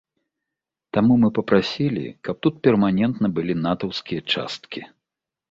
Таму мы папрасілі, каб тут перманентна былі натаўскія часткі.